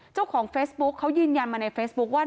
เจ้าของเฟซบุ๊คเขายืนยันมาในเฟซบุ๊คว่า